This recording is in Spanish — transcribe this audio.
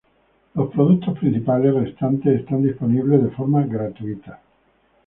Los productos principales restantes están disponibles de forma gratuita.